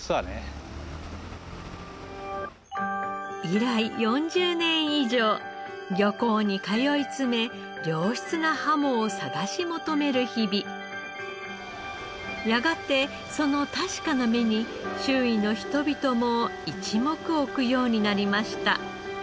以来４０年以上漁港に通い詰めやがてその確かな目に周囲の人々も一目置くようになりました。